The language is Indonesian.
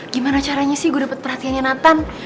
gimana caranya sih gue dapat perhatiannya nathan